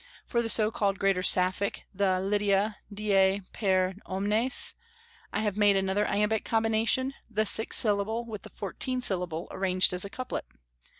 For the so called greater Sapphic, the "Lydia, die per omnes" I have made another iambic combination, the six syllable with the fourteen syllable, arranged as a couplet.